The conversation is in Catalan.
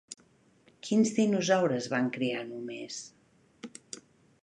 Quins dinosaures van crear només?